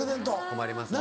困りますね。